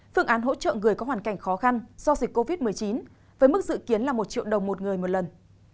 phương án hỗ trợ người có hoàn cảnh khó khăn do dịch covid một mươi chín với mức dự kiến là một triệu đồng một người một lần